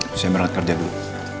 susah banget kerja gue